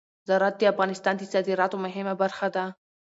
زراعت د افغانستان د صادراتو مهمه برخه ده.